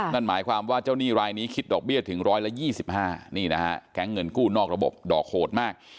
นั่นหมายความว่าเจ้าหนี้รายนี้คิดดอกเบี้ยถึง๑๒๕นี่นะฮะแก๊งเงินกู้นอกระบบดอกโหดมาก